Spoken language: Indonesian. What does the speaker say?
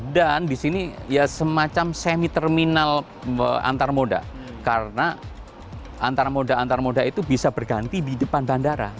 dan di sini ya semacam semi terminal antarmoda karena antarmoda antarmoda itu bisa berganti di depan bandara